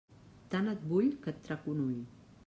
Tant et vull que et trac un ull.